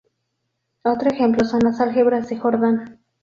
Otro ejemplo son las álgebras de Jordan.